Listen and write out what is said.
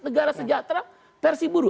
negara sejahtera persiburu